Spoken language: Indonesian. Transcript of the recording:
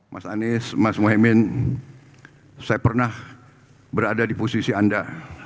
mas anies mas mohaimin saya pernah berada di posisi anda